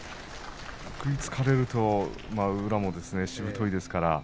食いつかれたら、もう宇良もしぶといですからね。